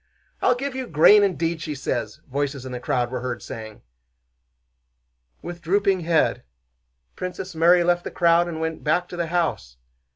'I'll give you grain, indeed!' she says," voices in the crowd were heard saying. With drooping head Princess Mary left the crowd and went back to the house.